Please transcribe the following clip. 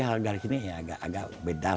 hal dari sini agak beda